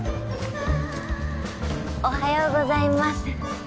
おはようございます。